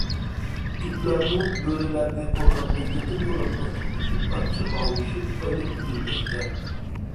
ئىتلارمۇ، بۆرىلەرنى قوتانغا يېقىن يولاتماسلىق ئۈچۈن، ئاچچىق قاۋىشىپ، ئايلىنىپ يۈرمەكتە.